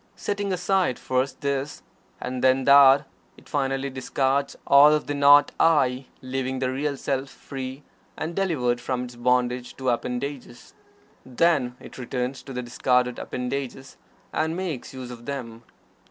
Setting aside first this, and then that, it finally discards all of the "Not I," leaving the Real Self free and delivered from its bondage to its appendages. Then it returns to the discarded appendages, and makes use of them.